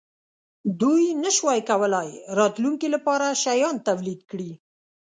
دوی نشوای کولای راتلونکې لپاره شیان تولید کړي.